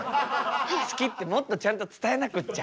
好きってもっとちゃんと伝えなくっちゃ。